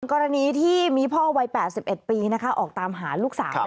กรณีที่มีพ่อวัย๘๑ปีออกตามหาลูกสาว